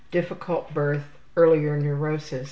Difficult birth. Earlier neurosis.